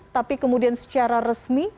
tapi kemudian secara resmi